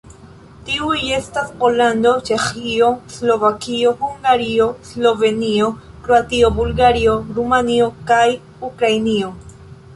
Tiuj estas Pollando, Ĉeĥio, Slovakio, Hungario, Slovenio, Kroatio, Bulgario, Rumanio kaj Ukrainio.